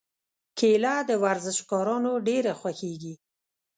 کېله د ورزشکارانو ډېره خوښېږي.